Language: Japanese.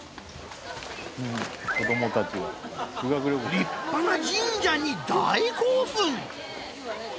立派な神社に大興奮！